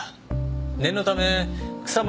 念のため草間